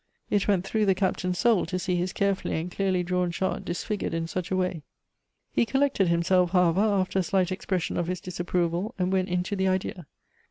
It went through the Captain's soiil to see his carefully and clearly drawn chart disfigured in such a way. He collected himself, however, after a slight expression of his disapproval, find went into the idea.